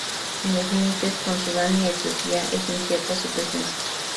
En los límites con Sudán y en Etiopía es incierta su presencia.